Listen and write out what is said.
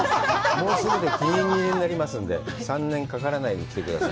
もうすぐで期限切れになりますので、３年かからないように行ってください。